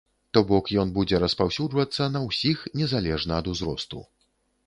То бок, ён будзе распаўсюджвацца на ўсіх, незалежна ад узросту.